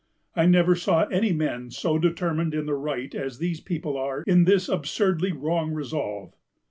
I never saw any men so determined in the right as these people are in this absurdly wrong resolve."